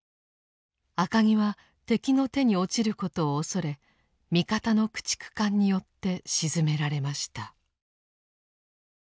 赤城は敵の手に落ちることを恐れ味方の駆逐艦によって沈められました。